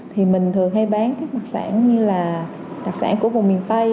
thì mình thường hay bán các mặt sản như là đặc sản của vùng miền tây